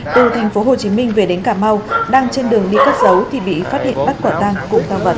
từ tp hcm về đến cà mau đang trên đường đi cất giấu thì bị phát hiện bắt quả tang cùng tăng vật